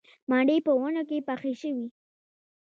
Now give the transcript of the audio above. مڼې په ونو کې پخې شوې